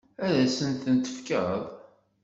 Ad asent-ten-tefkeḍ?